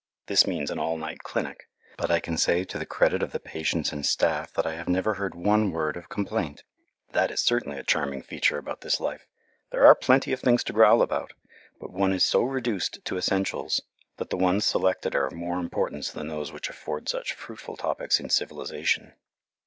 This means an all night clinic. But I can say to the credit of the patients and staff that I have never heard one word of complaint. That is certainly a charming feature about this life. There are plenty of things to growl about, but one is so reduced to essentials that the ones selected are of more importance than those which afford such fruitful topics in civilization.